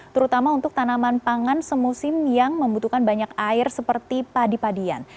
terutama untuk tanaman pangan semusim yang membutuhkan banyak air seperti padi padian